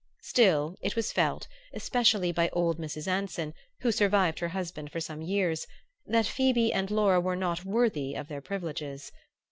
Still it was felt, especially by old Mrs. Anson, who survived her husband for some years, that Phoebe and Laura were not worthy of their privileges.